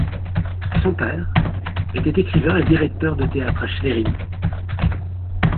Son père, était écrivain et directeur de théâtre à Schwerin.